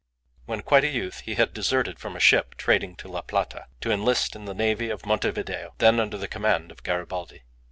When quite a youth he had deserted from a ship trading to La Plata, to enlist in the navy of Montevideo, then under the command of Garibaldi.